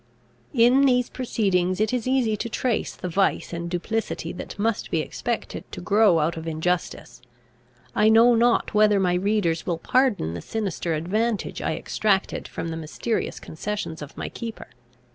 In these proceedings it is easy to trace the vice and duplicity that must be expected to grow out of injustice. I know not whether my readers will pardon the sinister advantage I extracted from the mysterious concessions of my keeper.